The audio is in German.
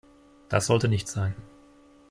Das sollte nicht sein.